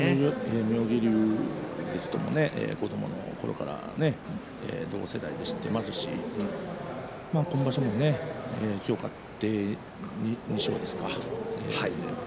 妙義龍ですとかね子どものころから同世代で知っていますし今場所も今日勝って２勝ですか。